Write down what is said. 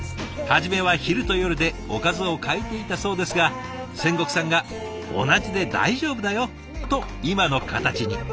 初めは昼と夜でおかずを変えていたそうですが仙石さんが「同じで大丈夫だよ！」と今の形に。